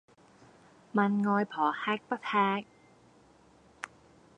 問外婆吃不吃